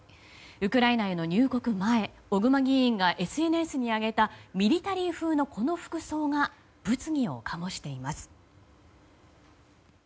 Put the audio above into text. ウクライナへの入国前小熊議員がＳＮＳに上げたミリタリー風のこの服装が物議を醸しています。